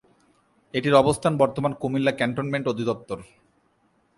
এটির অবস্থান বর্তমান কুমিল্লা ক্যান্টনমেন্ট অধিদপ্তর।